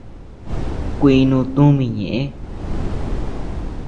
Kuinu tumi ñeʼe.